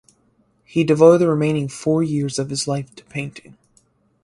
He devoted the remaining four years of his life to painting.